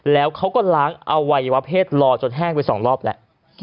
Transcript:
แล้วเค้าก็ล้างเอาไววะเพศรอจนแห้งไปสองรอบแหละ